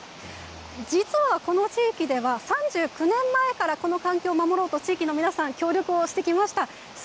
実はこの地域では３９年前からこの環境を守ろうと地域の皆さん協力をしてきました。